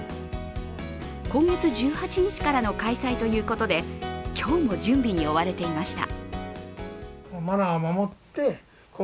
今月１８日からの開催ということで、今日も準備に追われていました。